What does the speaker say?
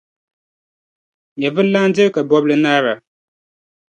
Nyɛvililana n-diri kabɔbili naara.